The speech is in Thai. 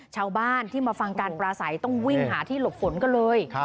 ชาวบ้านที่มาฟังการปราศัยต้องวิ่งหาที่หลบฝนก็เลย